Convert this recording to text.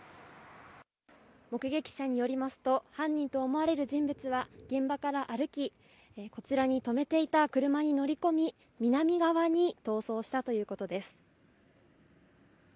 目撃者によりますと、犯人と思われる人物は、現場から歩き、こちらに止めていた車に乗り込み、南側に逃走したということです。